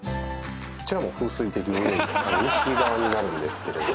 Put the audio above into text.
こちらも風水的に見ると西側になるんですけれども。